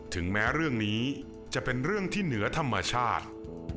ถึงแม้เรื่องนี้จะเป็นเรื่องที่เหนือธรรมชาติ